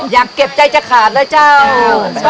อยากเก็บใจจะขาดเลยเจ้า